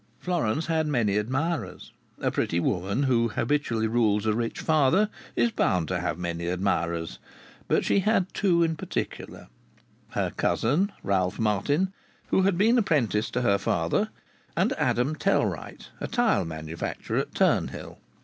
Florence had many admirers; a pretty woman, who habitually rules a rich father, is bound to have many admirers. But she had two in particular; her cousin, Ralph Martin, who had been apprenticed to her father, and Adam Tellwright, a tile manufacturer at Turnhill.